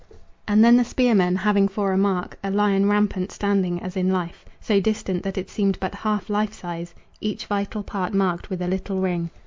And then the spearmen, having for a mark A lion rampant, standing as in life, So distant that it seemed but half life size, Each vital part marked with a little ring.